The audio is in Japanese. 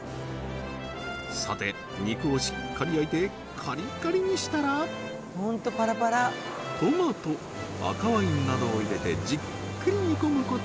さて肉をしっかり焼いてカリカリにしたらトマト赤ワインなどを入れてじっくり煮込むこと